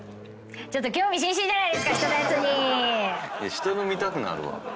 人の見たくなるわ。